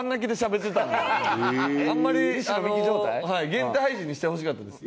限定配信にしてほしかったです。